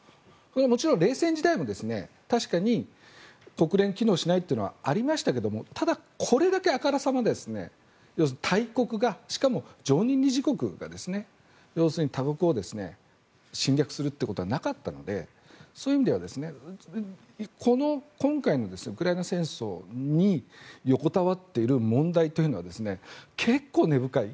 もちろん冷戦時代も確かに国連が機能しないというのはありましたけれどもただこれだけあからさまに要するに大国がしかも常任理事国が要するに他国を侵略するってことはなかったのでそういう意味では今回のウクライナ戦争に横たわっている問題というのは結構根深い。